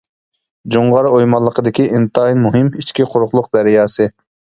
جۇڭغار ئويمانلىقىدىكى ئىنتايىن مۇھىم ئىچكى قۇرۇقلۇق دەرياسى.